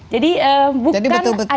jadi bukan ada yang menyuruh